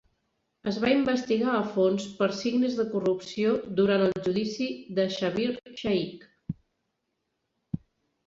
Es va investigar a fons per signes de corrupció durant el judici de Schabir Shaik.